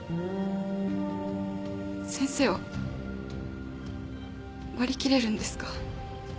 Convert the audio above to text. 先生は割り切れるんですか？